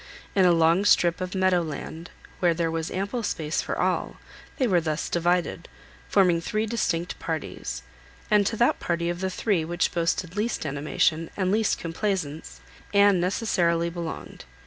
In a long strip of meadow land, where there was ample space for all, they were thus divided, forming three distinct parties; and to that party of the three which boasted least animation, and least complaisance, Anne necessarily belonged.